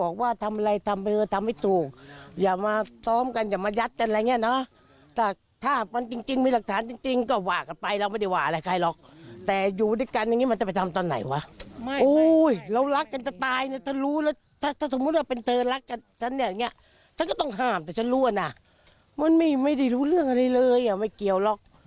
ก็ต้องห้ามแต่ฉันรู้ว่าน่ะมันไม่ได้รู้เรื่องอะไรเลยไม่เกี่ยวหรอก